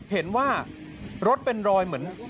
เห็นว่ารถเป็นรอยเหมือน